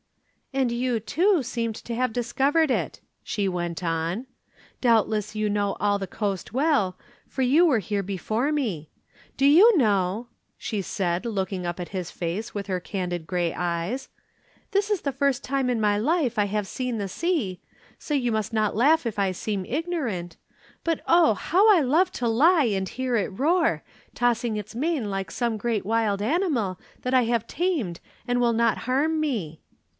"And you, too, seemed to have discovered it," she went on. "Doubtless you know all the coast well, for you were here before me. Do you know," she said, looking up at his face with her candid gray eyes, "this is the first time in my life I have seen the sea, so you must not laugh if I seem ignorant, but oh! how I love to lie and hear it roar, tossing its mane like some great wild animal that I have tamed and that will not harm me."